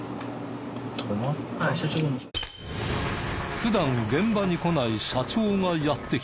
普段現場に来ない社長がやって来た。